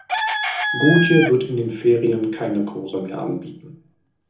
Gotje wird in den Ferien keine Kurse mehr anbieten.